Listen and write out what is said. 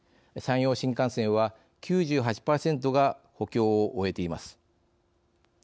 山陽新幹線は、９８％が補強を終えています。